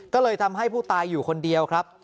ก็เลยทำให้ผู้ตายอยู่คนเดียวครับ